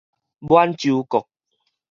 滿州國